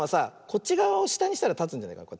こっちがわをしたにしたらたつんじゃないかな。